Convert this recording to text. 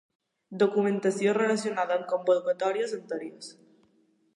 Documentació relacionada amb convocatòries anteriors.